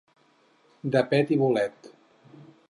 De pet i bolet.